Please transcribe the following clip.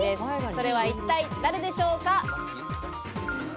それは一体誰でしょうか？